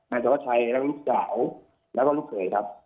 ธวัชชัยแล้วก็ลูกสาวแล้วก็ลูกเขยครับ